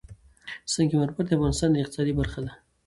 سنگ مرمر د افغانستان د اقتصاد برخه ده.